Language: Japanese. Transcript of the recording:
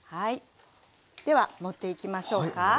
では盛っていきましょうか。